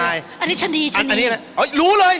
อันนี้ชะนีชะนีรู้เลย